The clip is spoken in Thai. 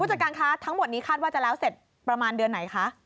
จัดการคะทั้งหมดนี้คาดว่าจะแล้วเสร็จประมาณเดือนไหนคะ